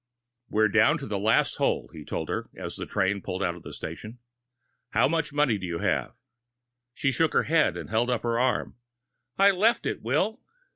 "We're down to the last hole," he told her as the train pulled out of the station. "How much money do you have?" She shook her head, and held up her arm. "I left it, Will."